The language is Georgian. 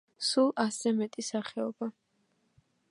სულ ასზე მეტი სახეობა.